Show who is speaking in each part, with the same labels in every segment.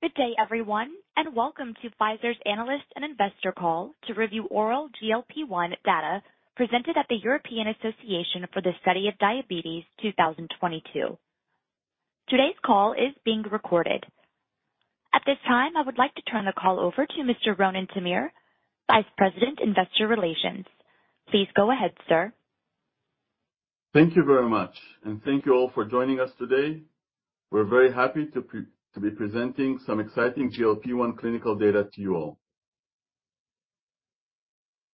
Speaker 1: Good day everyone, and welcome to Pfizer's Analyst and Investor Call to review oral GLP-1 data presented at the European Association for the Study of Diabetes 2022. Today's call is being recorded. At this time, I would like to turn the call over to Mr. Ronen Tamir, Vice President, Investor Relations. Please go ahead, sir.
Speaker 2: Thank you very much, and thank you all for joining us today. We're very happy to be presenting some exciting GLP-1 clinical data to you all.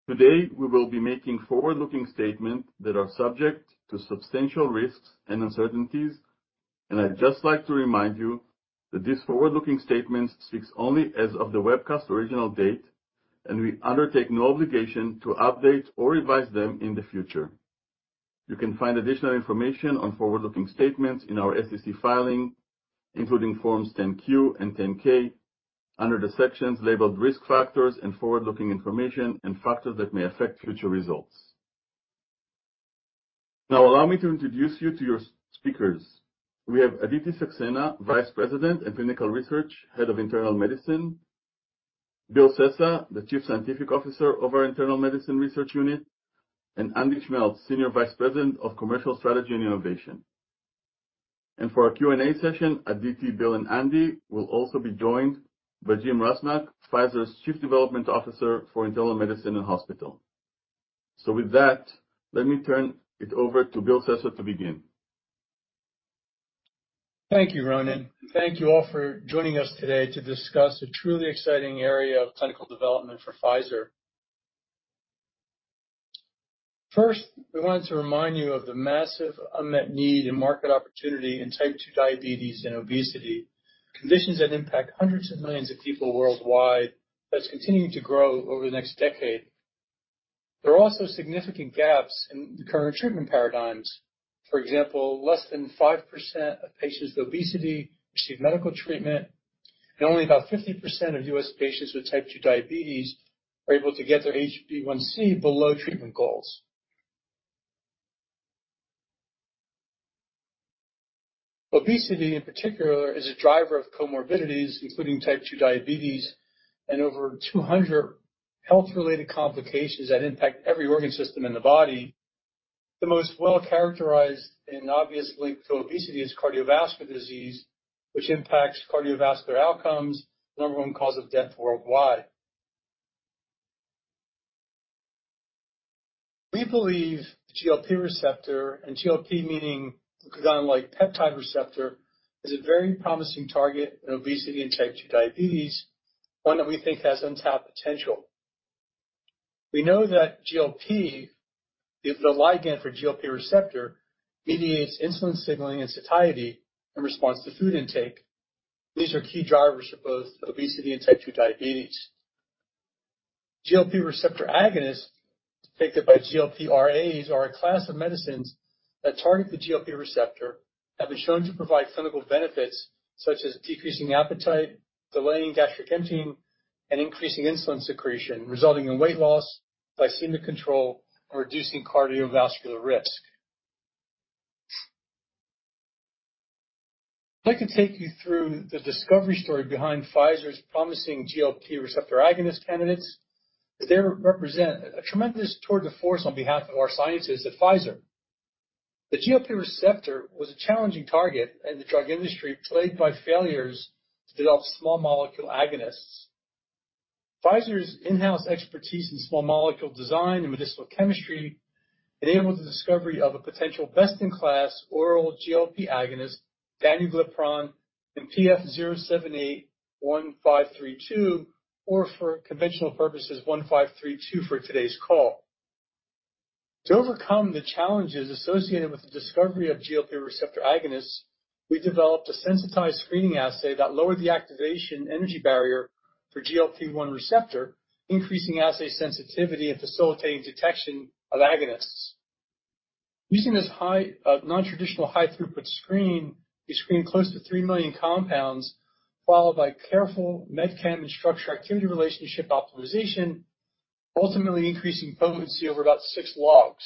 Speaker 2: Today, we will be making forward-looking statements that are subject to substantial risks and uncertainties. I'd just like to remind you that this forward-looking statement speaks only as of the webcast original date, and we undertake no obligation to update or revise them in the future. You can find additional information on forward-looking statements in our SEC filings, including forms 10-Q and 10-K, under the sections labeled Risk Factors and Forward-looking Information and Factors That May Affect Future Results. Now allow me to introduce you to your speakers. We have Aditi Saxena, Vice President, Clinical Research, Head of Internal Medicine. Bill Sessa, the Chief Scientific Officer of our Internal Medicine Research Unit, and Andy Schmeltz, Senior Vice President of Commercial Strategy and Innovation. For our Q&A session, Aditi, Bill, and Andy will also be joined by Jim Rusnak, Pfizer's Chief Development Officer for Internal Medicine and Hospital. With that, let me turn it over to Bill Sessa to begin.
Speaker 3: Thank you, Ronen. Thank you all for joining us today to discuss a truly exciting area of clinical development for Pfizer. First, we wanted to remind you of the massive unmet need and market opportunity in type 2 diabetes and obesity, conditions that impact hundreds of millions of people worldwide, that's continuing to grow over the next decade. There are also significant gaps in the current treatment paradigms. For example, less than 5% of patients with obesity receive medical treatment, and only about 50% of U.S. patients with type 2 diabetes are able to get their HbA1c below treatment goals. Obesity, in particular, is a driver of comorbidities, including type 2 diabetes and over 200 health-related complications that impact every organ system in the body. The most well-characterized and obvious link to obesity is cardiovascular disease, which impacts cardiovascular outcomes, the number one cause of death worldwide. We believe the GLP-1 receptor and GLP-1, meaning glucagon-like peptide-1 receptor, is a very promising target in obesity and type 2 diabetes, one that we think has untapped potential. We know that GLP-1 is the ligand for GLP-1 receptor, mediates insulin signaling and satiety in response to food intake. These are key drivers for both obesity and type 2 diabetes. GLP-1 receptor agonists, depicted by GLP-1 RAs, are a class of medicines that target the GLP-1 receptor, have been shown to provide clinical benefits such as decreasing appetite, delaying gastric emptying, and increasing insulin secretion, resulting in weight loss, glycemic control, and reducing cardiovascular risk. I'd like to take you through the discovery story behind Pfizer's promising GLP-1 receptor agonist candidates. They represent a tremendous tour de force on behalf of our scientists at Pfizer. The GLP-1 receptor was a challenging target in the drug industry, plagued by failures to develop small molecule agonists. Pfizer's in-house expertise in small molecule design and medicinal chemistry enabled the discovery of a potential best-in-class oral GLP-1 agonist, danuglipron and PF-07081532, or for conventional purposes, 1532 for today's call. To overcome the challenges associated with the discovery of GLP-1 receptor agonists, we developed a sensitized screening assay that lowered the activation energy barrier for GLP-1 receptor, increasing assay sensitivity and facilitating detection of agonists. Using this high non-traditional high throughput screen, we screened close to 3 million compounds, followed by careful med chem and structure-activity relationship optimization, ultimately increasing potency over about 6 logs.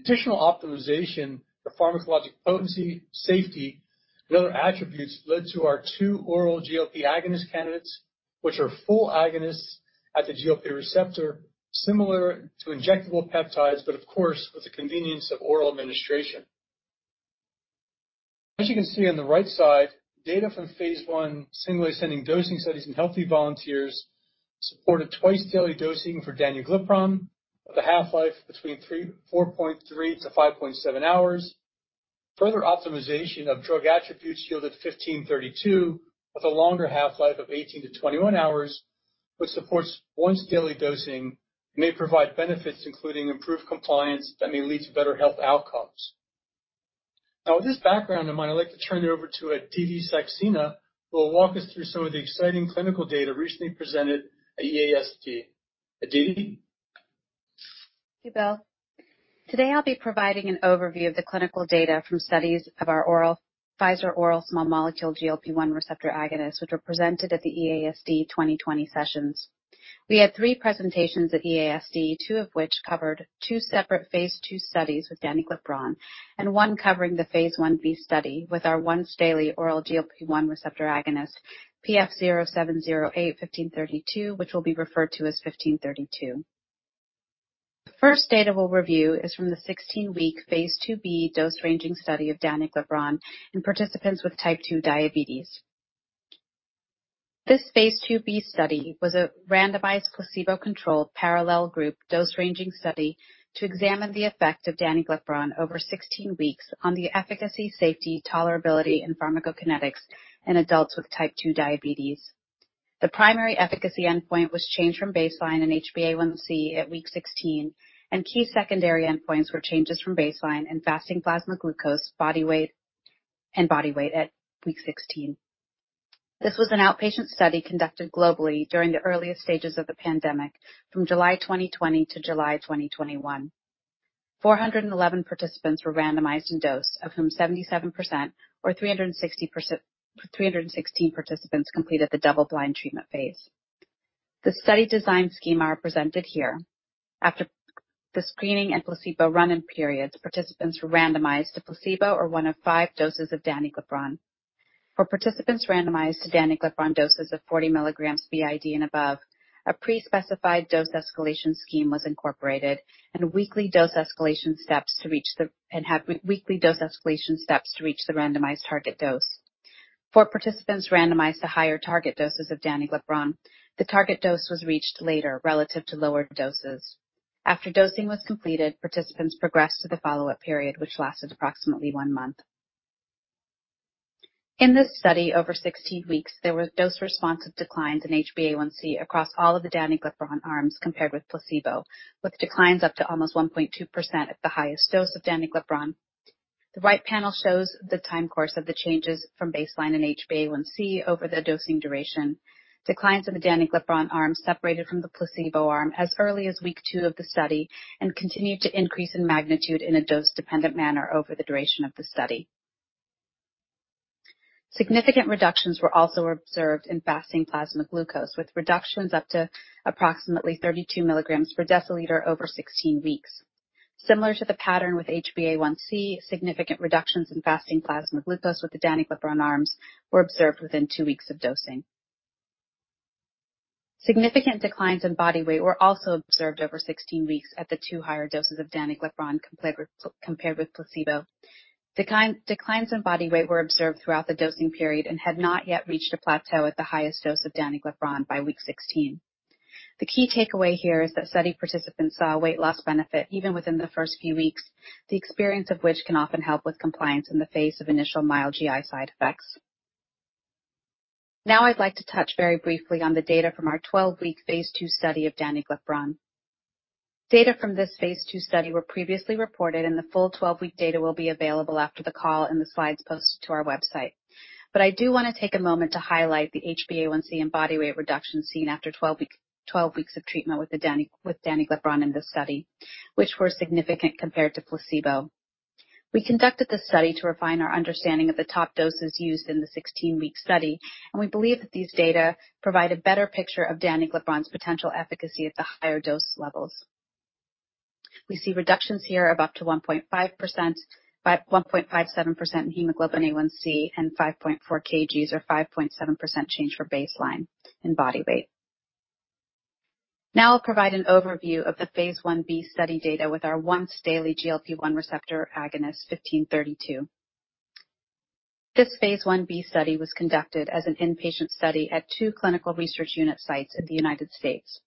Speaker 3: Additional optimization for pharmacologic potency, safety, and other attributes led to our two oral GLP agonist candidates, which are full agonists at the GLP receptor, similar to injectable peptides, but of course, with the convenience of oral administration. As you can see on the right side, data from phase 1 single ascending dosing studies in healthy volunteers supported twice-daily dosing for danuglipron, with a half-life between 3.4-5.7 hours. Further optimization of drug attributes yielded fifteen thirty-two, with a longer half-life of 18-21 hours, which supports once daily dosing and may provide benefits, including improved compliance that may lead to better health outcomes. Now, with this background in mind, I'd like to turn it over to Aditi Saxena, who will walk us through some of the exciting clinical data recently presented at EASD. Aditi.
Speaker 4: Thank you, Bill. Today, I'll be providing an overview of the clinical data from studies of our oral Pfizer small molecule GLP-1 receptor agonists, which were presented at the EASD 2020 sessions. We had 3 presentations at EASD, 2 of which covered 2 separate phase 2 studies with danuglipron and one covering the phase 1b study with our once-daily oral GLP-1 receptor agonist PF-07081532, which will be referred to as fifteen thirty-two. The first data we'll review is from the 16-week phase 2b dose-ranging study of danuglipron in participants with type 2 diabetes. This phase 2b study was a randomized, placebo-controlled, parallel group dose-ranging study to examine the effect of danuglipron over 16 weeks on the efficacy, safety, tolerability and pharmacokinetics in adults with type 2 diabetes. The primary efficacy endpoint was change from baseline in HbA1c at week 16, and key secondary endpoints were changes from baseline in fasting plasma glucose, body weight, and body weight at week 16. This was an outpatient study conducted globally during the earliest stages of the pandemic from July 2020 to July 2021. 411 participants were randomized in dose, of whom 77% or 316 participants completed the double-blind treatment phase. The study design schema are presented here. After the screening and placebo run-in periods, participants were randomized to placebo or one of five doses of danuglipron. For participants randomized to danuglipron doses of 40 milligrams BID and above, a pre-specified dose escalation scheme was incorporated and had weekly dose escalation steps to reach the randomized target dose. For participants randomized to higher target doses of danuglipron, the target dose was reached later relative to lower doses. After dosing was completed, participants progressed to the follow-up period, which lasted approximately one month. In this study, over 16 weeks, there were dose-responsive declines in HbA1c across all of the danuglipron arms compared with placebo, with declines up to almost 1.2% at the highest dose of danuglipron. The right panel shows the time course of the changes from baseline in HbA1c over the dosing duration. Declines in the danuglipron arm separated from the placebo arm as early as week 2 of the study and continued to increase in magnitude in a dose-dependent manner over the duration of the study. Significant reductions were also observed in fasting plasma glucose, with reductions up to approximately 32 milligrams per deciliter over 16 weeks. Similar to the pattern with HbA1c, significant reductions in fasting plasma glucose with the danuglipron arms were observed within two weeks of dosing. Significant declines in body weight were also observed over 16 weeks at the two higher doses of danuglipron compared with placebo. Declines in body weight were observed throughout the dosing period and had not yet reached a plateau at the highest dose of danuglipron by week 16. The key takeaway here is that study participants saw a weight loss benefit even within the first few weeks, the experience of which can often help with compliance in the face of initial mild GI side effects. Now I'd like to touch very briefly on the data from our 12-week phase 2 study of danuglipron. Data from this phase 2 study were previously reported, and the full 12-week data will be available after the call and the slides posted to our website. I do want to take a moment to highlight the HbA1c and body weight reduction seen after 12 weeks of treatment with the danuglipron in this study, which were significant compared to placebo. We conducted this study to refine our understanding of the top doses used in the 16-week study, and we believe that these data provide a better picture of danuglipron's potential efficacy at the higher dose levels. We see reductions here of up to 1.5% to 1.57% in hemoglobin A1c and 5.4 kg or 5.7% change from baseline in body weight. Now I'll provide an overview of the Phase One B study data with our once daily GLP-1 receptor agonist fifteen thirty-two. This phase 1b study was conducted as an inpatient study at 2 clinical research unit sites in the United States.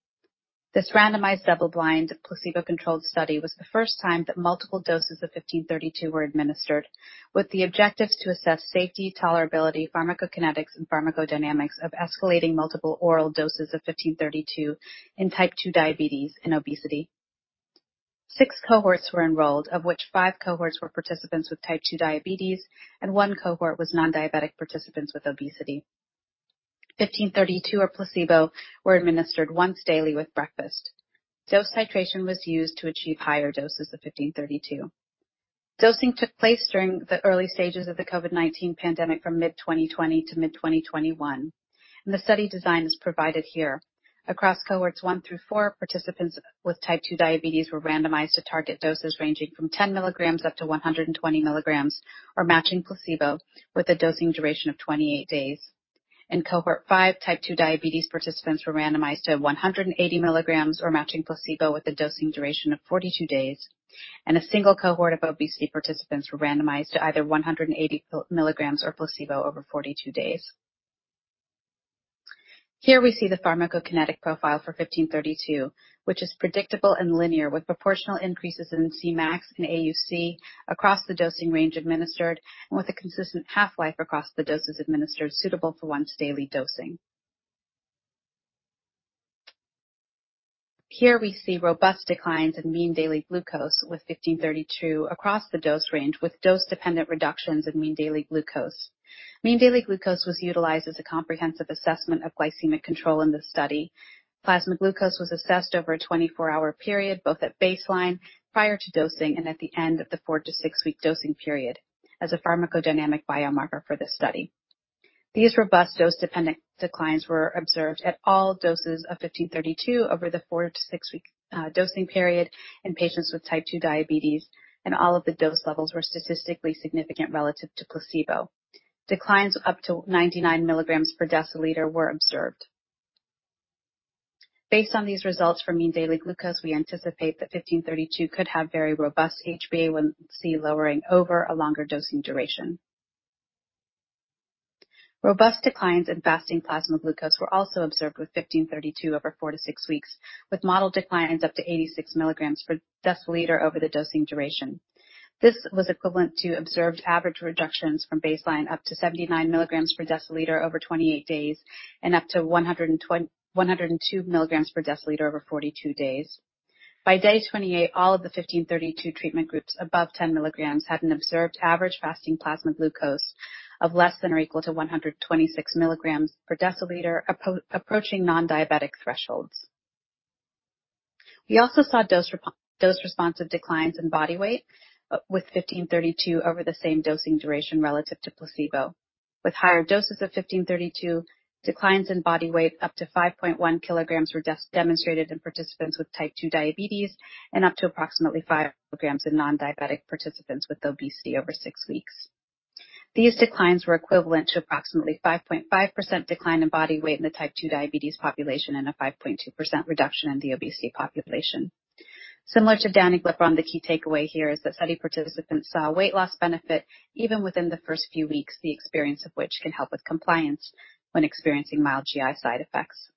Speaker 4: This randomized, double-blind, placebo-controlled study was the first time that multiple doses of PF-07081532 were administered, with the objectives to assess safety, tolerability, pharmacokinetics, and pharmacodynamics of escalating multiple oral doses of PF-07081532 in type 2 diabetes and obesity. 6 cohorts were enrolled, of which 5 cohorts were participants with type 2 diabetes and 1 cohort was non-diabetic participants with obesity. PF-07081532 or placebo were administered once daily with breakfast. Dose titration was used to achieve higher doses of PF-07081532. Dosing took place during the early stages of the COVID-19 pandemic from mid-2020 to mid-2021, and the study design is provided here. Across cohorts 1 through 4, participants with type 2 diabetes were randomized to target doses ranging from 10 milligrams up to 120 milligrams or matching placebo with a dosing duration of 28 days. In cohort 5, type 2 diabetes participants were randomized to 180 milligrams or matching placebo with a dosing duration of 42 days. A single cohort of obesity participants were randomized to either 180 milligrams or placebo over 42 days. Here we see the pharmacokinetic profile for fifteen thirty-two, which is predictable and linear with proportional increases in Cmax and AUC across the dosing range administered and with a consistent half-life across the doses administered suitable for once daily dosing. Here we see robust declines in mean daily glucose with fifteen thirty-two across the dose range with dose-dependent reductions in mean daily glucose. Mean daily glucose was utilized as a comprehensive assessment of glycemic control in this study. Plasma glucose was assessed over a 24-hour period, both at baseline prior to dosing and at the end of the 4- to 6-week dosing period as a pharmacodynamic biomarker for this study. These robust dose-dependent declines were observed at all doses of PF-07081532 over the 4- to 6-week dosing period in patients with type 2 diabetes, and all of the dose levels were statistically significant relative to placebo. Declines up to 99 milligrams per deciliter were observed. Based on these results for mean daily glucose, we anticipate that PF-07081532 could have very robust HbA1c lowering over a longer dosing duration. Robust declines in fasting plasma glucose were also observed with PF-07081532 over 4 to 6 weeks, with marked declines up to 86 milligrams per deciliter over the dosing duration. This was equivalent to observed average reductions from baseline up to 79 milligrams per deciliter over 28 days and up to 102 milligrams per deciliter over 42 days. By day 28, all of the fifteen thirty-two treatment groups above 10 milligrams had an observed average fasting plasma glucose of less than or equal to 126 milligrams per deciliter, approaching non-diabetic thresholds. We also saw dose responsive declines in body weight with fifteen thirty-two over the same dosing duration relative to placebo. With higher doses of fifteen thirty-two, declines in body weight up to 5.1 kilograms were demonstrated in participants with type 2 diabetes and up to approximately 5 kilograms in non-diabetic participants with obesity over 6 weeks. These declines were equivalent to approximately 5.5% decline in body weight in the type 2 diabetes population and a 5.2% reduction in the obesity population. Similar to danuglipron, the key takeaway here is that study participants saw weight loss benefit even within the first few weeks, the experience of which can help with compliance when experiencing mild GI side effects.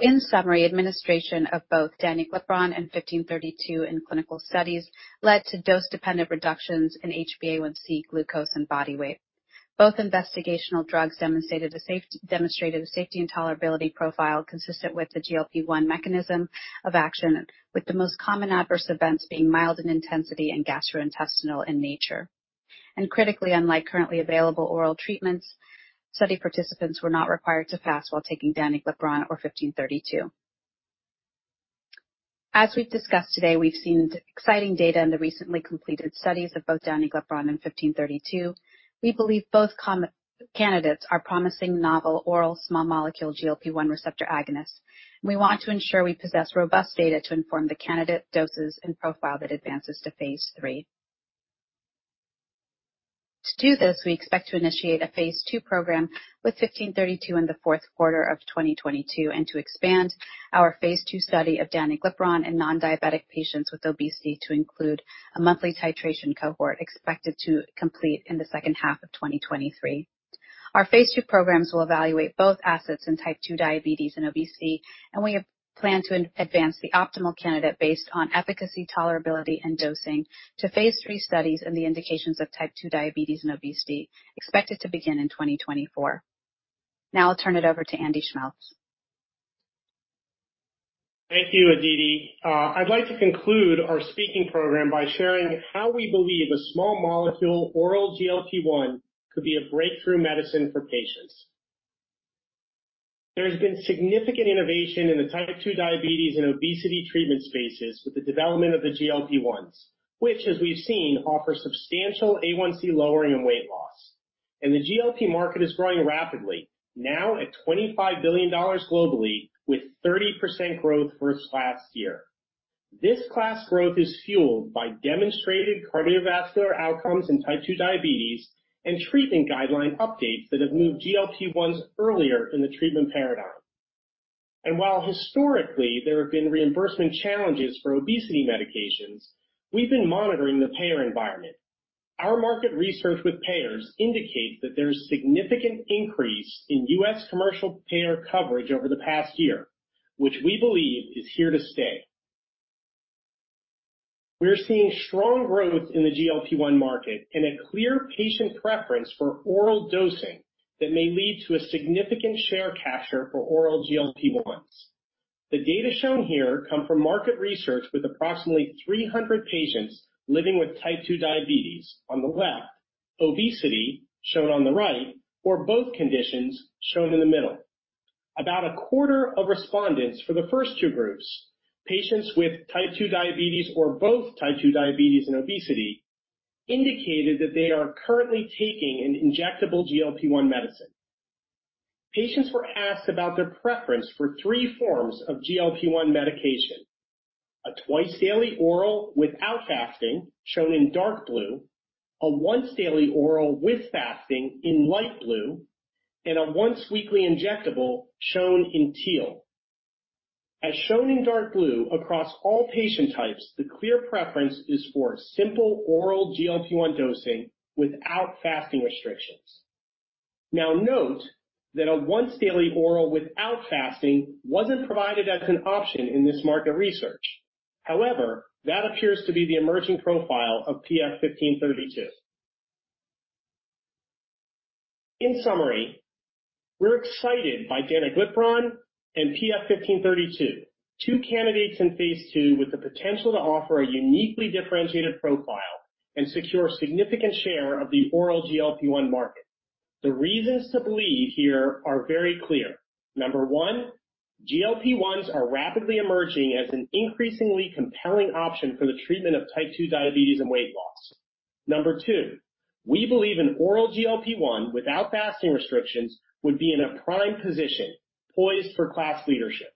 Speaker 4: In summary, administration of both danuglipron and fifteen thirty-two in clinical studies led to dose-dependent reductions in HbA1c, glucose, and body weight. Both investigational drugs demonstrated the safety and tolerability profile consistent with the GLP-1 mechanism of action, with the most common adverse events being mild in intensity and gastrointestinal in nature. Critically, unlike currently available oral treatments, study participants were not required to fast while taking danuglipron or fifteen thirty-two. As we've discussed today, we've seen exciting data in the recently completed studies of both danuglipron and fifteen thirty-two. We believe both candidates are promising novel oral small molecule GLP-1 receptor agonists. We want to ensure we possess robust data to inform the candidate doses and profile that advances to phase 3. To do this, we expect to initiate a phase 2 program with fifteen thirty-two in the fourth quarter of 2022, and to expand our phase 2 study of danuglipron in non-diabetic patients with obesity to include a monthly titration cohort expected to complete in the second half of 2023. Our phase 2 programs will evaluate both assets in type 2 diabetes and obesity, and we have planned to advance the optimal candidate based on efficacy, tolerability, and dosing to phase 3 studies in the indications of type 2 diabetes and obesity expected to begin in 2024. Now I'll turn it over to Andy Schmeltz.
Speaker 5: Thank you, Aditi. I'd like to conclude our speaking program by sharing how we believe a small molecule oral GLP-1 could be a breakthrough medicine for patients. There has been significant innovation in the type two diabetes and obesity treatment spaces with the development of the GLP-1s, which, as we've seen, offer substantial A1C lowering and weight loss. The GLP market is growing rapidly, now at $25 billion globally with 30% growth versus last year. This class growth is fueled by demonstrated cardiovascular outcomes in type two diabetes and treatment guideline updates that have moved GLP-1s earlier in the treatment paradigm. While historically, there have been reimbursement challenges for obesity medications, we've been monitoring the payer environment. Our market research with payers indicates that there's significant increase in U.S. commercial payer coverage over the past year, which we believe is here to stay. We're seeing strong growth in the GLP-1 market and a clear patient preference for oral dosing that may lead to a significant share capture for oral GLP-1s. The data shown here come from market research with approximately 300 patients living with type 2 diabetes on the left, obesity shown on the right, or both conditions shown in the middle. About a quarter of respondents for the first two groups, patients with type 2 diabetes or both type 2 diabetes and obesity, indicated that they are currently taking an injectable GLP-1 medicine. Patients were asked about their preference for three forms of GLP-1 medication, a twice-daily oral without fasting, shown in dark blue, a once daily oral with fasting in light blue, and a once-weekly injectable shown in teal. As shown in dark blue across all patient types, the clear preference is for simple oral GLP-1 dosing without fasting restrictions. Now note that a once daily oral without fasting wasn't provided as an option in this market research. However, that appears to be the emerging profile of PF-07081532. In summary, we're excited by danuglipron and PF-07081532, two candidates in phase 2 with the potential to offer a uniquely differentiated profile and secure significant share of the oral GLP-1 market. The reasons to believe here are very clear. Number 1, GLP-1s are rapidly emerging as an increasingly compelling option for the treatment of type two diabetes and weight loss. Number 2, we believe an oral GLP-1 without fasting restrictions would be in a prime position, poised for class leadership.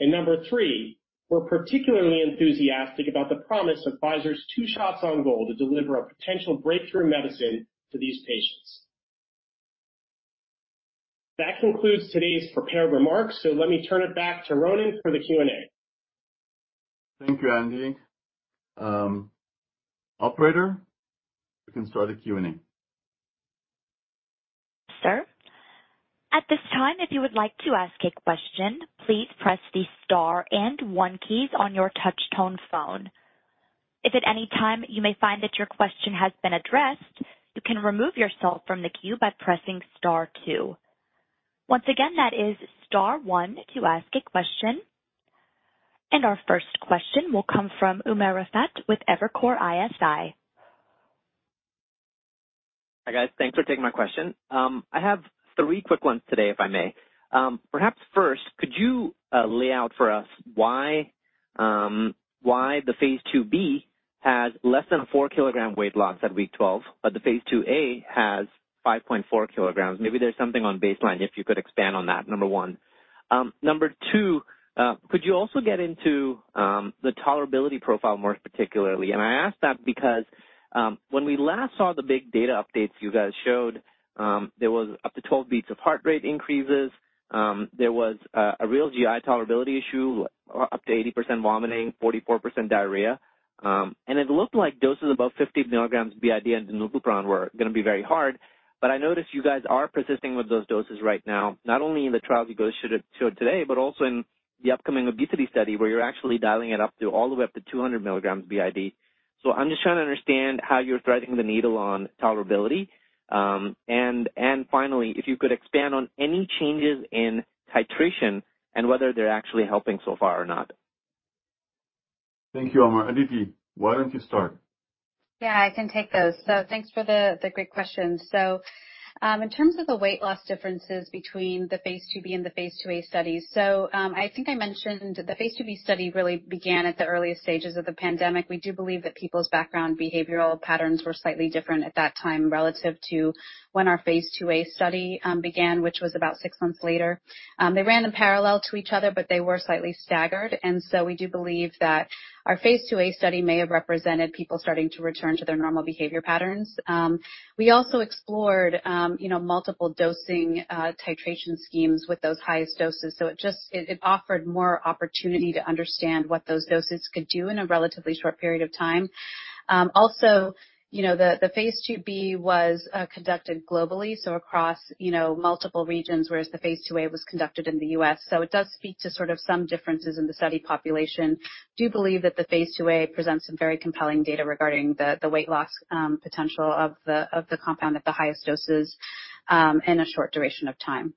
Speaker 5: Number 3, we're particularly enthusiastic about the promise of Pfizer's two shots on goal to deliver a potential breakthrough medicine to these patients. That concludes today's prepared remarks. Let me turn it back to Ronen for the Q&A.
Speaker 2: Thank you, Andy. Operator, you can start the Q&A.
Speaker 1: Sure. At this time, if you would like to ask a question, please press the star and one keys on your touch tone phone. If at any time you may find that your question has been addressed, you can remove yourself from the queue by pressing star two. Once again, that is star one to ask a question. Our first question will come from Umer Raffat with Evercore ISI.
Speaker 6: Hi, guys. Thanks for taking my question. I have three quick ones today, if I may. Perhaps first, could you lay out for us why the phase 2B has less than a 4-kilogram weight loss at week 12, but the phase 2A has 5.4 kilograms? Maybe there's something on baseline, if you could expand on that, number one. Number two, could you also get into the tolerability profile more particularly? I ask that because, when we last saw the big data updates you guys showed, there was up to 12 beats of heart rate increases, there was a real GI tolerability issue, up to 80% vomiting, 44% diarrhea. It looked like doses above 50 milligrams BID in danuglipron were gonna be very hard, but I noticed you guys are persisting with those doses right now, not only in the trials you guys showed today, but also in the upcoming obesity study, where you're actually dialing it up to all the way up to 200 milligrams BID. I'm just trying to understand how you're threading the needle on tolerability. Finally, if you could expand on any changes in titration and whether they're actually helping so far or not.
Speaker 2: Thank you, Umer. Aditi, why don't you start?
Speaker 4: Yeah, I can take those. Thanks for the great questions. In terms of the weight loss differences between the phase 2B and the phase 2A studies, I think I mentioned the phase 2B study really began at the earliest stages of the pandemic. We do believe that people's background behavioral patterns were slightly different at that time relative to when our phase 2A study began, which was about six months later. They ran in parallel to each other, but they were slightly staggered, and we do believe that our phase 2A study may have represented people starting to return to their normal behavior patterns. We also explored you know multiple dosing titration schemes with those highest doses. It just offered more opportunity to understand what those doses could do in a relatively short period of time. Also, you know, the phase 2B was conducted globally, so across, you know, multiple regions, whereas the phase 2A was conducted in the U.S. It does speak to sort of some differences in the study population. Do believe that the phase 2A presents some very compelling data regarding the weight loss potential of the compound at the highest doses in a short duration of time.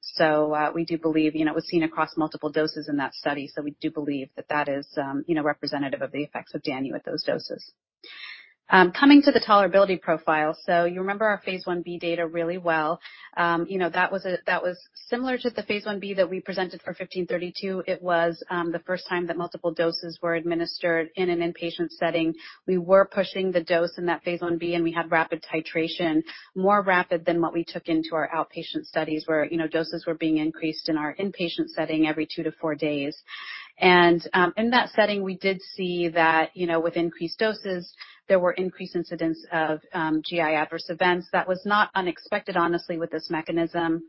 Speaker 4: We do believe. You know, it was seen across multiple doses in that study, so we do believe that is representative of the effects of danuglipron with those doses. Coming to the tolerability profile. You remember our phase 1B data really well. You know, that was similar to the phase 1B that we presented for PF-07081532. It was the first time that multiple doses were administered in an inpatient setting. We were pushing the dose in that phase 1B, and we had rapid titration, more rapid than what we took into our outpatient studies, where, you know, doses were being increased in our inpatient setting every two to four days. In that setting, we did see that, you know, with increased doses, there were increased incidents of GI adverse events. That was not unexpected, honestly, with this mechanism.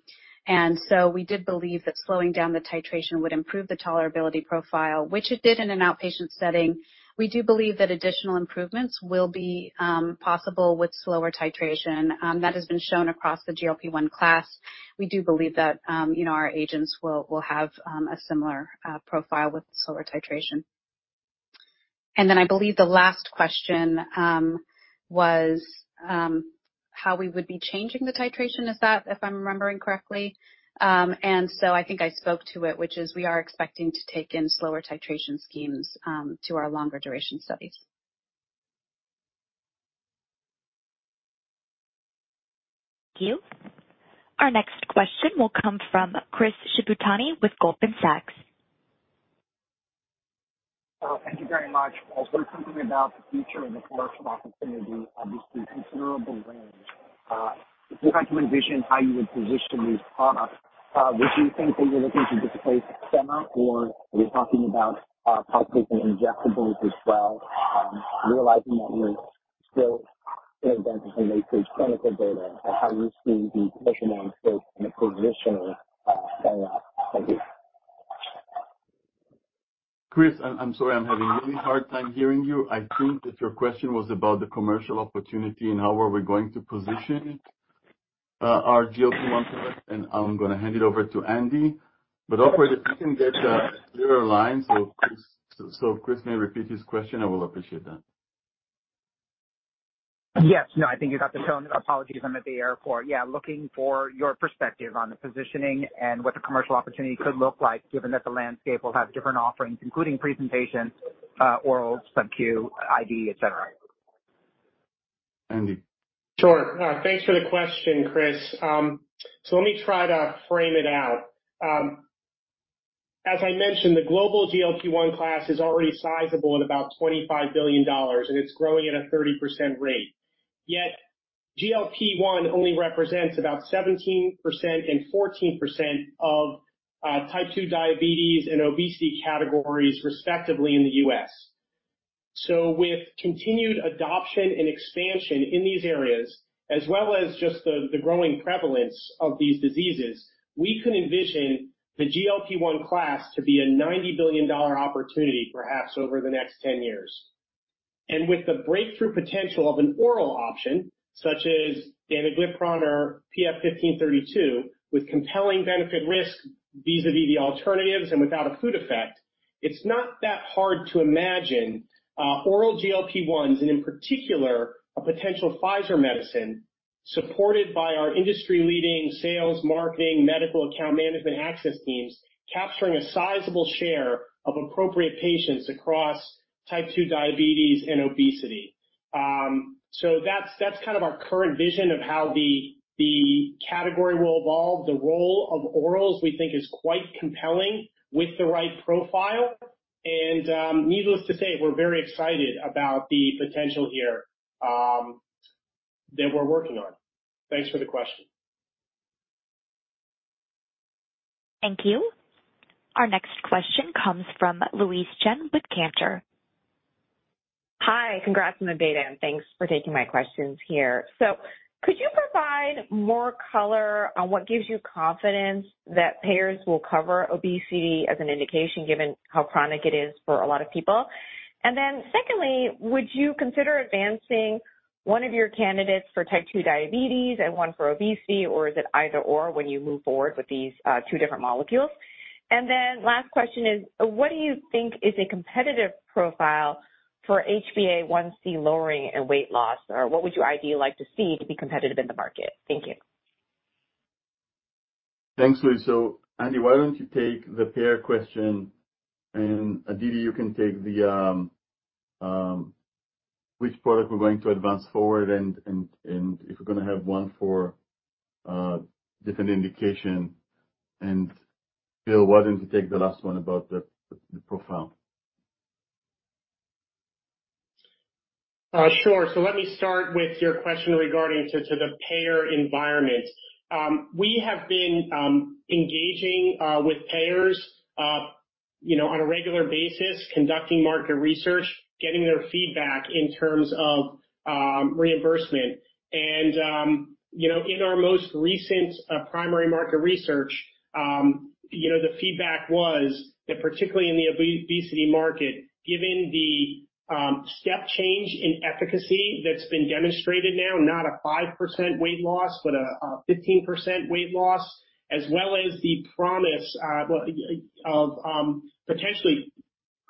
Speaker 4: So we did believe that slowing down the titration would improve the tolerability profile, which it did in an outpatient setting. We do believe that additional improvements will be possible with slower titration. That has been shown across the GLP-1 class. We do believe that, you know, our agents will have a similar profile with slower titration. Then I believe the last question was how we would be changing the titration, if I'm remembering correctly. I think I spoke to it, which is we are expecting to take in slower titration schemes to our longer duration studies.
Speaker 1: Thank you. Our next question will come from Chris Shibutani with Goldman Sachs.
Speaker 7: Thank you very much. Also, something about the future and the commercial opportunity of this considerable range. If you had to envision how you would position these products, would you think that you're looking to displace semaglutide or are we talking about possibly some injectables as well? Realizing that you're still in a late-stage clinical data, how you see the economic scope and the positioning playing out. Thank you.
Speaker 2: Chris, I'm sorry. I'm having a really hard time hearing you. I think that your question was about the commercial opportunity and how are we going to position it, our GLP-1 product, and I'm gonna hand it over to Andy. Operator, if you can get a clearer line so Chris may repeat his question, I will appreciate that.
Speaker 7: Yes. No, I think you got the tone. Apologies, I'm at the airport. Yeah, looking for your perspective on the positioning and what the commercial opportunity could look like, given that the landscape will have different offerings, including presentations, oral, sub-Q, IV, et cetera.
Speaker 2: Andy.
Speaker 5: Sure. Thanks for the question, Chris. Let me try to frame it out. As I mentioned, the global GLP-1 class is already sizable at about $25 billion, and it's growing at a 30% rate. Yet, GLP-1 only represents about 17% and 14% of type 2 diabetes and obesity categories, respectively in the US. With continued adoption and expansion in these areas, as well as just the growing prevalence of these diseases, we could envision the GLP-1 class to be a $90 billion opportunity, perhaps over the next 10 years. With the breakthrough potential of an oral option, such as danuglipron or PF-07081532, with compelling benefit risk vis-à-vis the alternatives and without a food effect, it's not that hard to imagine oral GLP-1s and in particular, a potential Pfizer medicine supported by our industry-leading sales, marketing, medical account management access teams, capturing a sizable share of appropriate patients across type 2 diabetes and obesity. That's kind of our current vision of how the category will evolve. The role of orals, we think is quite compelling with the right profile. Needless to say, we're very excited about the potential here that we're working on. Thanks for the question.
Speaker 1: Thank you. Our next question comes from Louise Chen with Cantor.
Speaker 8: Hi. Congrats on the data, and thanks for taking my questions here. Could you provide more color on what gives you confidence that payers will cover obesity as an indication, given how chronic it is for a lot of people? Secondly, would you consider advancing one of your candidates for type 2 diabetes and one for obesity, or is it either/or when you move forward with these two different molecules? Last question is what do you think is a competitive profile for HbA1c lowering and weight loss? What would you ideally like to see to be competitive in the market? Thank you.
Speaker 2: Thanks, Louise. Andy, why don't you take the payer question, and Aditi you can take the which product we're going to advance forward and if we're gonna have one for different indication. Bill, why don't you take the last one about the profile?
Speaker 5: Let me start with your question regarding the payer environment. We have been engaging with payers, you know, on a regular basis, conducting market research, getting their feedback in terms of reimbursement. In our most recent primary market research, you know, the feedback was that particularly in the obesity market, given the step change in efficacy that's been demonstrated now, not a 5% weight loss, but a 15% weight loss, as well as the promise, well, of potentially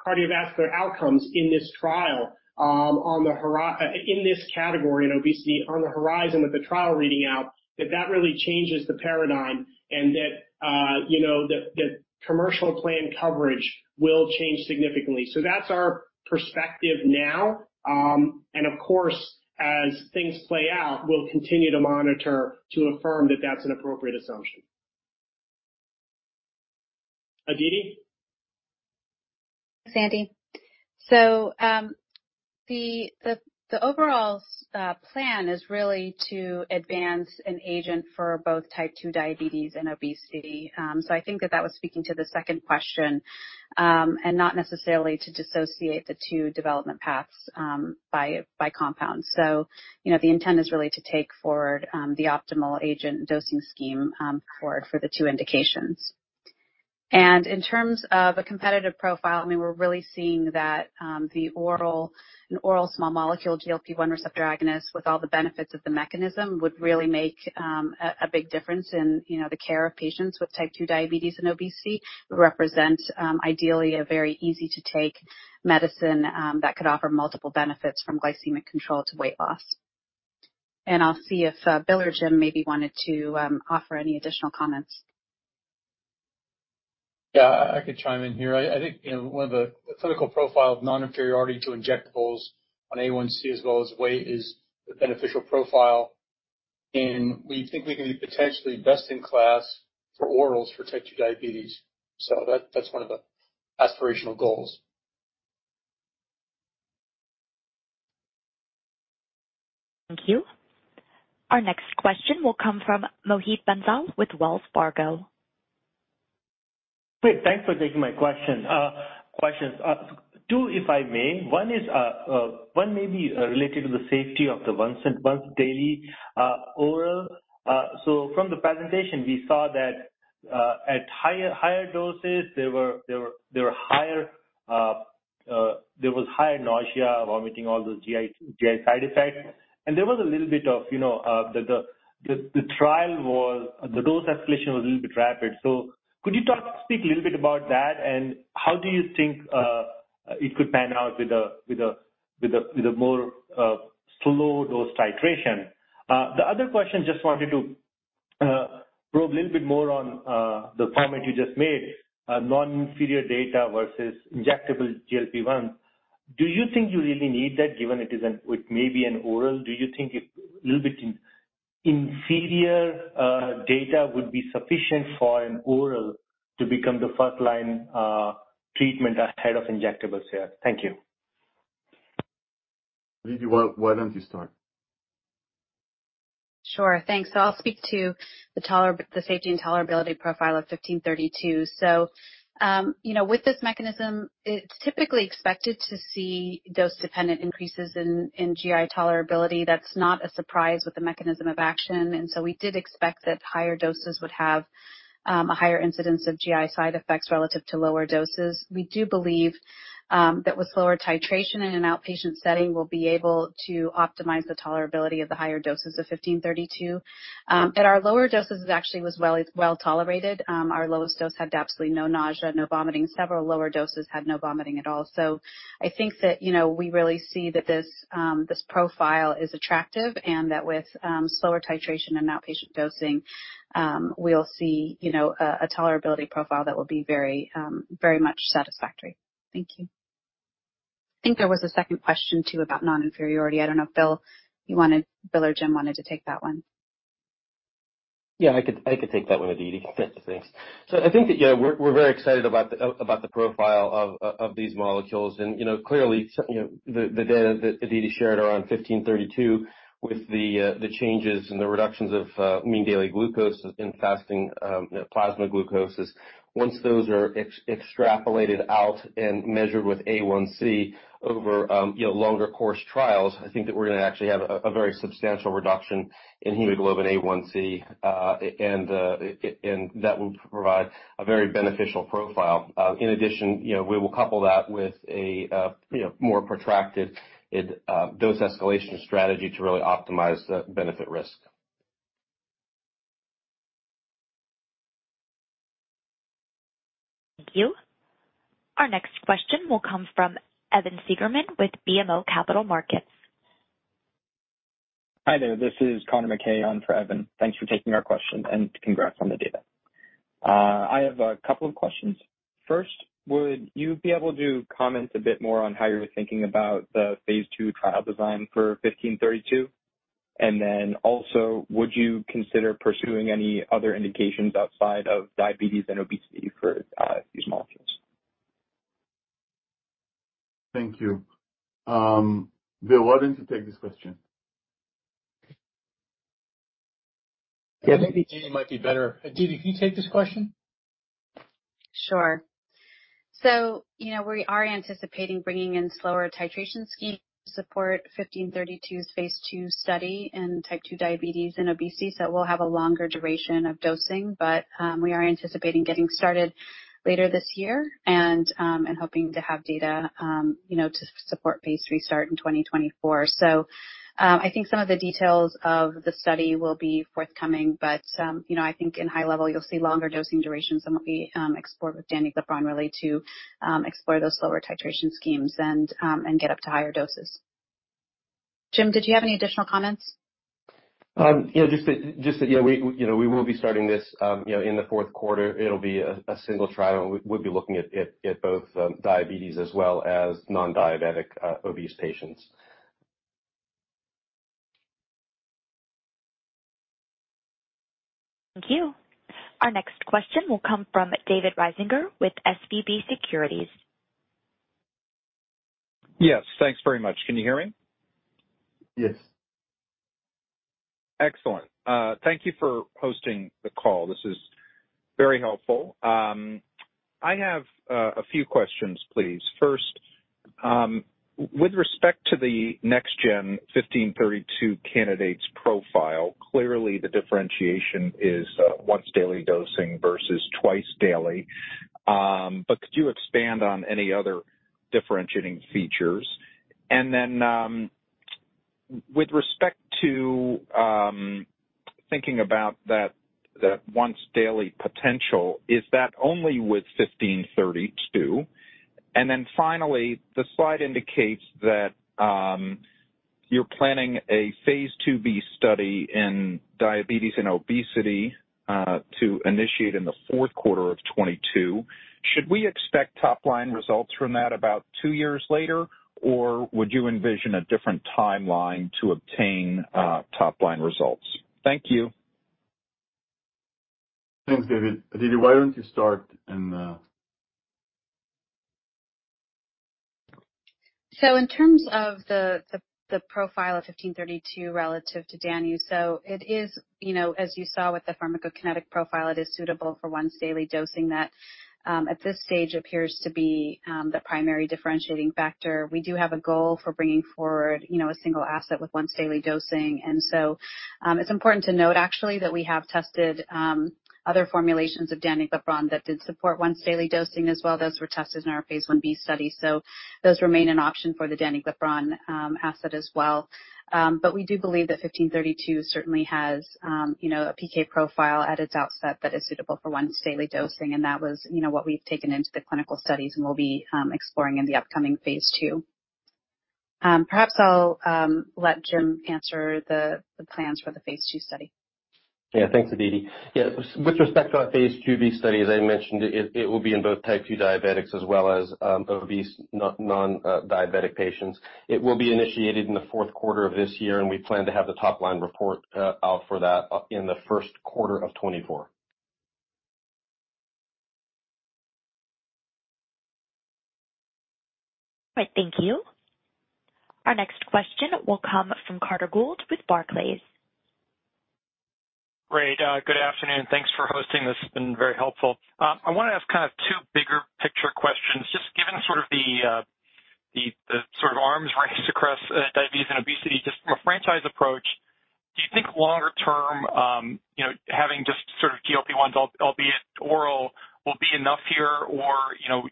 Speaker 5: cardiovascular outcomes in this trial in this category in obesity on the horizon with the trial reading out, that really changes the paradigm and that, you know, the commercial plan coverage will change significantly. That's our perspective now, and of course, as things play out, we'll continue to monitor to affirm that that's an appropriate assumption. Aditi.
Speaker 4: Thanks, Andy. The overall plan is really to advance an agent for both type 2 diabetes and obesity. I think that was speaking to the second question, and not necessarily to dissociate the two development paths by compounds. You know, the intent is really to take forward the optimal agent dosing scheme for the 2 indications. In terms of a competitive profile, I mean, we're really seeing that an oral small molecule GLP-1 receptor agonist with all the benefits of the mechanism would really make a big difference in the care of patients with type 2 diabetes and obesity. It represents ideally a very easy to take medicine that could offer multiple benefits from glycemic control to weight loss. I'll see if Bill or Jim maybe wanted to offer any additional comments.
Speaker 3: Yeah, I could chime in here. I think, you know, one of the clinical profile of non-inferiority to injectables on A1C as well as weight is a beneficial profile, and we think we can be potentially best in class for orals for type 2 diabetes. That's one of the aspirational goals.
Speaker 1: Thank you. Our next question will come from Mohit Bansal with Wells Fargo.
Speaker 9: Great, thanks for taking my question. Questions. Two, if I may. One is, one may be related to the safety of the once-daily oral. So from the presentation, we saw that at higher doses there was higher nausea, vomiting, all those GI side effects. There was a little bit of, you know, the trial was. The dose escalation was a little bit rapid. Could you talk, speak a little bit about that, and how do you think it could pan out with a more slow dose titration? The other question, just wanted to- Probe a little bit more on the comment you just made, non-inferior data versus injectable GLP-1. Do you think you really need that given it may be an oral? Do you think a little bit inferior data would be sufficient for an oral to become the first line treatment ahead of injectable sales? Thank you.
Speaker 2: Aditi, why don't you start?
Speaker 4: Sure. Thanks. I'll speak to the safety and tolerability profile of 15-32. You know, with this mechanism, it's typically expected to see dose-dependent increases in GI tolerability. That's not a surprise with the mechanism of action. We did expect that higher doses would have a higher incidence of GI side effects relative to lower doses. We do believe that with slower titration in an outpatient setting, we'll be able to optimize the tolerability of the higher doses of 15-32. At our lower doses it actually was well-tolerated. Our lowest dose had absolutely no nausea, no vomiting. Several lower doses had no vomiting at all. I think that, you know, we really see that this profile is attractive and that with slower titration and outpatient dosing, we'll see, you know, a tolerability profile that will be very much satisfactory. Thank you. I think there was a second question too about non-inferiority. I don't know if Bill, you wanted Bill or Jim wanted to take that one.
Speaker 10: Yeah, I could take that one, Aditi. Thanks. I think that, you know, we're very excited about the profile of these molecules. You know, clearly, you know, the data that Aditi shared around 1532 with the changes and the reductions of mean daily glucose in fasting plasma glucose is, once those are extrapolated out and measured with A1C over you know longer course trials, I think that we're going to actually have a very substantial reduction in hemoglobin A1C, and that will provide a very beneficial profile. In addition, you know, we will couple that with a you know more protracted dose escalation strategy to really optimize the benefit-risk.
Speaker 1: Thank you. Our next question will come from Evan Seigerman with BMO Capital Markets.
Speaker 11: Hi there, this is Connor McKay on for Evan. Thanks for taking our questions and congrats on the data. I have a couple of questions. First, would you be able to comment a bit more on how you're thinking about the phase 2 trial design for 15-32? And then also, would you consider pursuing any other indications outside of diabetes and obesity for these molecules?
Speaker 2: Thank you. Bill, why don't you take this question?
Speaker 3: Yeah. I think Aditi might be better. Aditi, can you take this question?
Speaker 4: Sure. You know, we are anticipating bringing in slower titration schemes to support PF-07081532's phase 2 study in type 2 diabetes and obesity. We'll have a longer duration of dosing. We are anticipating getting started later this year and hoping to have data, you know, to support phase restart in 2024. I think some of the details of the study will be forthcoming, but you know, I think in high level you'll see longer dosing durations than what we explore with danuglipron, really, to explore those slower titration schemes and get up to higher doses. Jim, did you have any additional comments?
Speaker 10: Yeah, just that, you know, we will be starting this, you know, in the fourth quarter. It'll be a single trial. We'll be looking at both diabetes as well as non-diabetic obese patients.
Speaker 1: Thank you. Our next question will come from David Risinger with SVB Securities.
Speaker 12: Yes, thanks very much. Can you hear me?
Speaker 2: Yes.
Speaker 12: Excellent. Thank you for hosting the call. This is very helpful. I have a few questions, please. First, with respect to the next gen 1532 candidate's profile, clearly the differentiation is once daily dosing versus twice daily. But could you expand on any other differentiating features? Then, with respect to thinking about that once daily potential, is that only with 1532? Finally, the slide indicates that you're planning a phase 2b study in diabetes and obesity to initiate in the fourth quarter of 2022. Should we expect top-line results from that about 2 years later, or would you envision a different timeline to obtain top-line results? Thank you.
Speaker 2: Thanks, David. Aditi, why don't you start and...
Speaker 4: In terms of the profile of PF-07081532 relative to danuglipron, it is, you know, as you saw with the pharmacokinetic profile, it is suitable for once daily dosing that at this stage appears to be the primary differentiating factor. We do have a goal for bringing forward, you know, a single asset with once daily dosing. It's important to note actually that we have tested other formulations of danuglipron that did support once daily dosing as well. Those were tested in our phase 1b study. Those remain an option for the danuglipron asset as well. We do believe that PF-07081532 certainly has, you know, a PK profile at its outset that is suitable for once daily dosing. That was, you know, what we've taken into the clinical studies and we'll be exploring in the upcoming phase 2. Perhaps I'll let Jim answer the plans for the phase 2 study.
Speaker 10: Thanks, Aditi. With respect to our phase 2b study, as I mentioned, it will be in both type 2 diabetics as well as obese non-diabetic patients. It will be initiated in the fourth quarter of this year, and we plan to have the top line report out for that in the first quarter of 2024.
Speaker 1: All right. Thank you. Our next question will come from Carter Gould with Barclays.
Speaker 13: Great. Good afternoon. Thanks for hosting. This has been very helpful. I wanna ask kind of two bigger picture questions. Just given sort of the sort of arms race across diabetes and obesity, just from a franchise approach, do you think longer term, you know, having just sort of GLP-1s, albeit oral, will be enough here? Or, you know,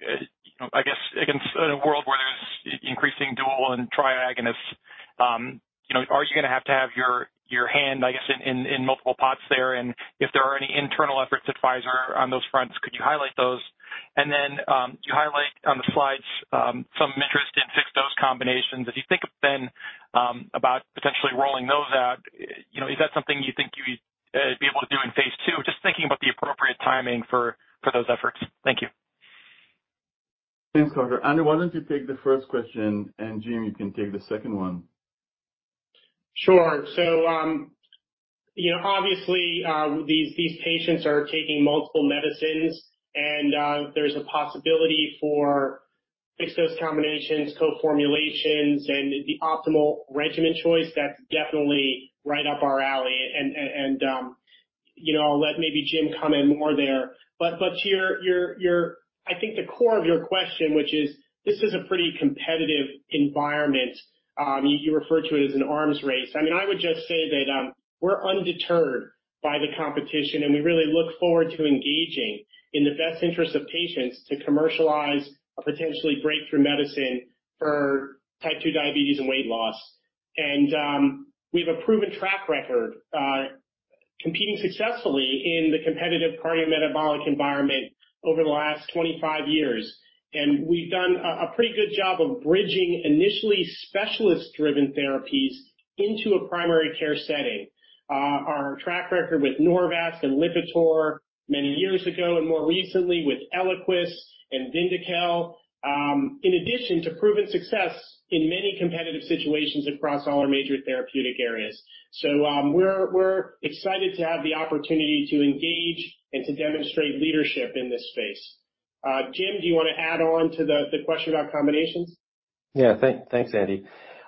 Speaker 13: I guess against a world where there's increasing dual and tri agonists, you know, are you gonna have to have your hand, I guess, in multiple pots there? And if there are any internal efforts at Pfizer on those fronts, could you highlight those? And then, you highlight on the slides some interest in fixed dose combinations. As you think then about potentially rolling those out, you know, is that something you think you'd be able to do in phase 2? Just thinking about the appropriate timing for those efforts. Thank you.
Speaker 2: Thanks, Carter. Andy, why don't you take the first question? Jim, you can take the second one.
Speaker 5: Sure. You know, obviously, these patients are taking multiple medicines and there's a possibility for fixed dose combinations, co-formulations, and the optimal regimen choice. That's definitely right up our alley. You know, I'll let maybe Jim comment more there. I think the core of your question, which is, this is a pretty competitive environment. You refer to it as an arms race. I mean, I would just say that we're undeterred by the competition, and we really look forward to engaging in the best interest of patients to commercialize a potentially breakthrough medicine for type 2 diabetes and weight loss. We have a proven track record, competing successfully in the competitive cardiometabolic environment over the last 25 years. We've done a pretty good job of bridging initially specialist driven therapies into a primary care setting. Our track record with Norvasc and Lipitor many years ago and more recently with Eliquis and Vyndaqel, in addition to proven success in many competitive situations across all our major therapeutic areas. We're excited to have the opportunity to engage and to demonstrate leadership in this space. Jim, do you wanna add on to the question about combinations?
Speaker 10: Yeah. Thanks, Andy.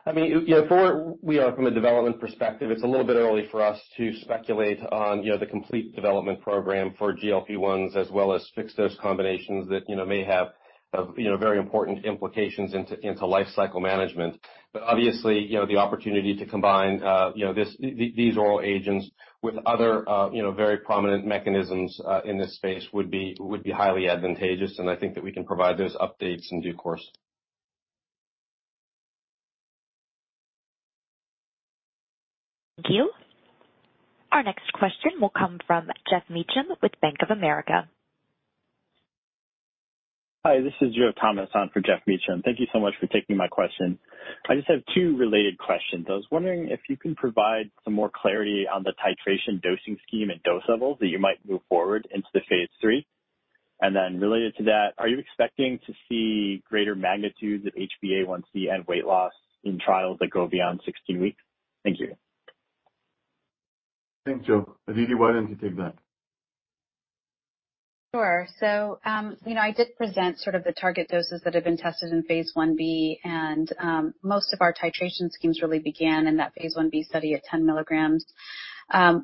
Speaker 10: I mean, you know, for where we are from a development perspective, it's a little bit early for us to speculate on, you know, the complete development program for GLP-1s as well as fixed dose combinations that, you know, may have, you know, very important implications into life cycle management. Obviously, you know, the opportunity to combine, you know, these oral agents with other, you know, very prominent mechanisms in this space would be highly advantageous, and I think that we can provide those updates in due course.
Speaker 1: Thank you. Our next question will come from Geoff Meacham with Bank of America.
Speaker 14: Hi, this is Joe Thomas on for Geoff Meacham. Thank you so much for taking my question. I just have two related questions. I was wondering if you can provide some more clarity on the titration dosing scheme and dose levels that you might move forward into the phase 3. Related to that, are you expecting to see greater magnitudes of HbA1c and weight loss in trials that go beyond 16 weeks? Thank you.
Speaker 2: Thanks, Joe. Aditi, why don't you take that?
Speaker 4: Sure. You know, I did present sort of the target doses that have been tested in phase 1B, and most of our titration schemes really began in that phase 1B study at 10 milligrams.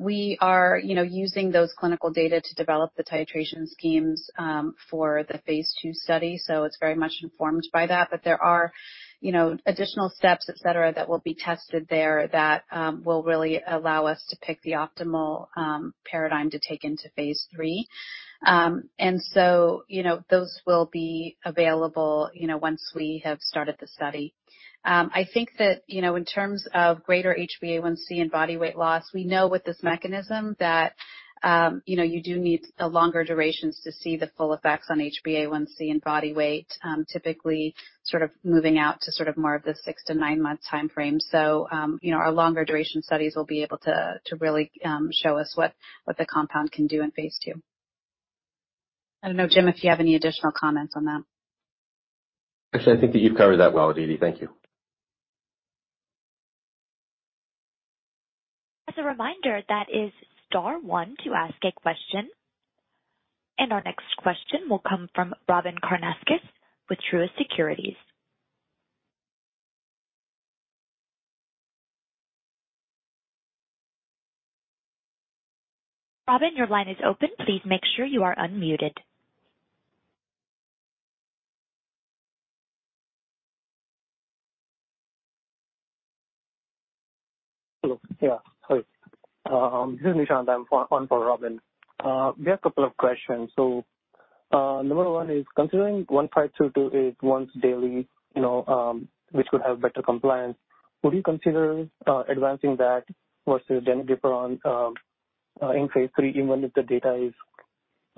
Speaker 4: We are, you know, using those clinical data to develop the titration schemes for the phase 2 study, so it's very much informed by that. There are, you know, additional steps, et cetera, that will be tested there that will really allow us to pick the optimal paradigm to take into phase 3. You know, those will be available, you know, once we have started the study. I think that, you know, in terms of greater HbA1c and body weight loss, we know with this mechanism that, you know, you do need the longer durations to see the full effects on HbA1c and body weight, typically sort of moving out to sort of more of the 6-9-month timeframe. You know, our longer duration studies will be able to really show us what the compound can do in phase 2. I don't know, Jim, if you have any additional comments on that.
Speaker 10: Actually, I think that you've covered that well, Aditi. Thank you.
Speaker 1: As a reminder, that is star one to ask a question. Our next question will come from Robyn Karnauskas with Truist Securities. Robyn, your line is open. Please make sure you are unmuted.
Speaker 15: Hello. Hi. This is Nishant. I'm on for Robyn. We have a couple of questions. Number 1 is considering PF-07081532 once daily, you know, which could have better compliance, would you consider advancing that versus danuglipron in phase 3 even if the data is,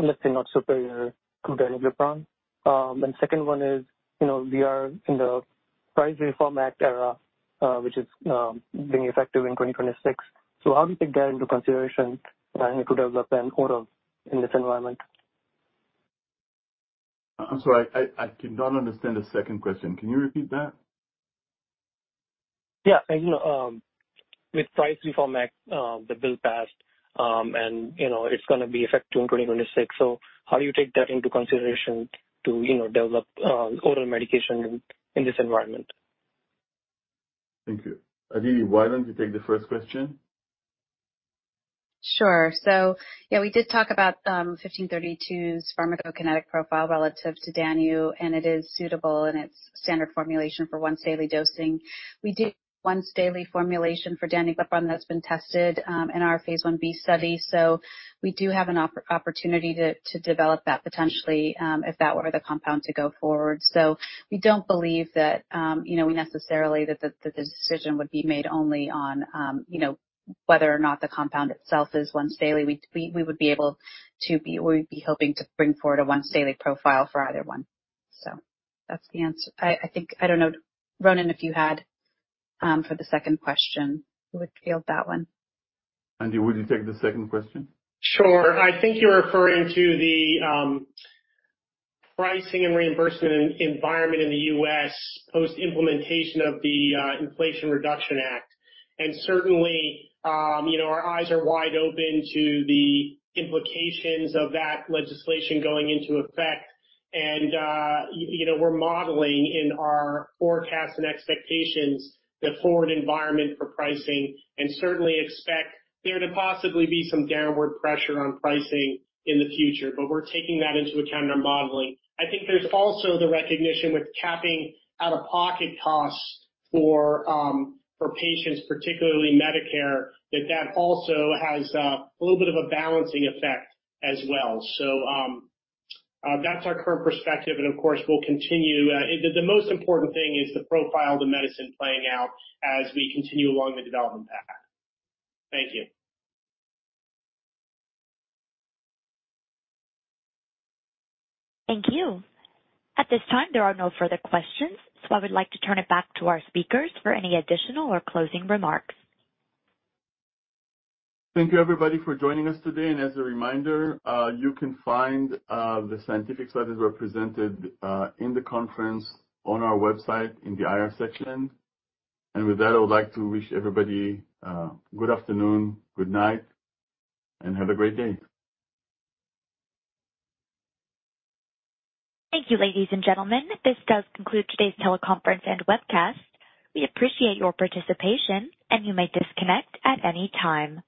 Speaker 15: let's say, not superior to danuglipron. And second one is, you know, we are in the Inflation Reduction Act era, which is being effective in 2026. How do you take that into consideration trying to develop an oral in this environment?
Speaker 2: I'm sorry, I do not understand the second question. Can you repeat that?
Speaker 15: Yeah. You know, with Inflation Reduction Act, the bill passed, and, you know, it's gonna be effective in 2026. How do you take that into consideration to, you know, develop oral medication in this environment?
Speaker 2: Thank you. Aditi, why don't you take the first question?
Speaker 4: Sure. Yeah, we did talk about 1532's pharmacokinetic profile relative to danuglipron, and it is suitable in its standard formulation for once daily dosing. We did once daily formulation for danuglipron that's been tested in our phase 1B study. We do have an opportunity to develop that potentially if that were the compound to go forward. We don't believe that, you know, we necessarily that the decision would be made only on, you know, whether or not the compound itself is once daily. We would be able to, or we'd be hoping to bring forward a once daily profile for either one. That's the answer. I think I don't know, Ronen, if you had for the second question, who would field that one?
Speaker 2: Andy, would you take the second question?
Speaker 5: Sure. I think you're referring to the pricing and reimbursement environment in the US post-implementation of the Inflation Reduction Act. Certainly, you know, our eyes are wide open to the implications of that legislation going into effect. You know, we're modeling in our forecast and expectations the forward environment for pricing and certainly expect there to possibly be some downward pressure on pricing in the future. We're taking that into account and modeling. I think there's also the recognition with capping out-of-pocket costs for patients, particularly Medicare, that also has a little bit of a balancing effect as well. That's our current perspective, and of course, we'll continue. The most important thing is the profile of the medicine playing out as we continue along the development path. Thank you.
Speaker 1: Thank you. At this time, there are no further questions, so I would like to turn it back to our speakers for any additional or closing remarks.
Speaker 2: Thank you everybody for joining us today. As a reminder, you can find the scientific studies represented in the conference on our website in the IR section. With that, I would like to wish everybody good afternoon, good night, and have a great day.
Speaker 1: Thank you, ladies and gentlemen. This does conclude today's teleconference and webcast. We appreciate your participation, and you may disconnect at any time.